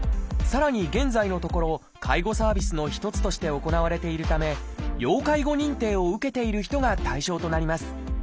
さらに現在のところ介護サービスの一つとして行われているため要介護認定を受けている人が対象となります。